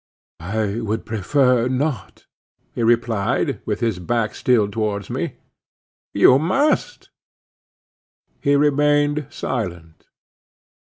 "I would prefer not," he replied, with his back still towards me. "You must." He remained silent.